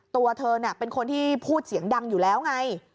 ตัวเธอเป็นคนที่พูดเสียงดังอยู่แล้วไง